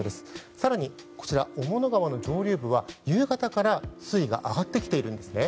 更に、雄物川の上流部は夕方から水位が上がってきているんです。